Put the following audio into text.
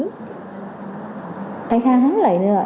các khách hàng không lấy được